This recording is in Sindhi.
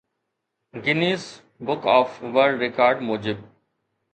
Guinness book of world record موجب